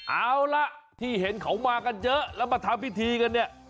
เอาล่ะที่เห็นเขามากันเยอะแล้วมาทำพิธีกันเนี่ย